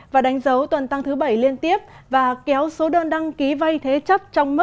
và đánh dấu tuần tăng thứ bảy liên tiếp và kéo số đơn đăng ký vay thế chấp trong